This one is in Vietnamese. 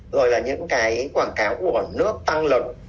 rồi là những cái quảng cáo của nước tăng lực